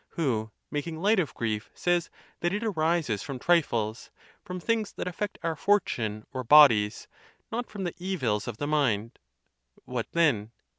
who, making light of grief, says that it arises from trifles, from things that affect our fortune or bodies, not from the evils of the mind. What, then?